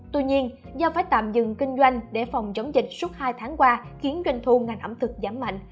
tuy nhiên do phải tạm dừng kinh doanh để phòng chống dịch suốt hai tháng qua khiến doanh thu ngành ẩm thực giảm mạnh